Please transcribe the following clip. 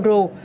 các khó khăn